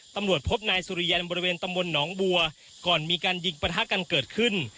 ตำรวจพบนายสุริยันบริเวณตำบลหนองบัวก่อนมีการยิงประทะกันเกิดขึ้น